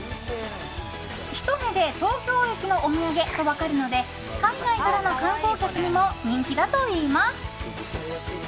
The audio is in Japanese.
ひと目で東京駅のお土産と分かるので海外からの観光客にも人気だといいます。